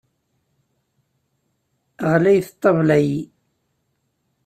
Ɣlayet ṭṭabla-yi.